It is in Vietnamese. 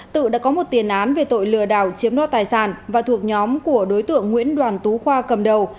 tự đã có một tiền án về tội lừa đảo chiếm đo tài sản và thuộc nhóm của đối tượng nguyễn đoàn tú khoa cầm đầu